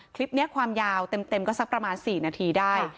คลิปนี้ความยาวเต็มก็สักประมาณ๔นาทีได้